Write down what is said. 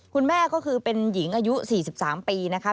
คุณแม่ก็คือเป็นหญิงอายุ๔๓ปีนะครับ